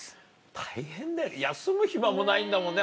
大変だよ休む暇もないんだもんね